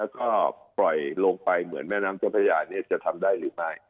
แล้วก็ปล่อยลงไปเหมือนแม่น้ำเจ้าพระยาจะทำได้หรือไม่